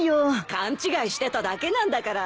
勘違いしてただけなんだから。